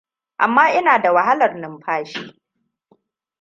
amma ina da wahalar numfashi